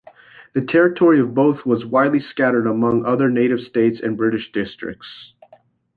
The territory of both was widely scattered among other native states and British districts.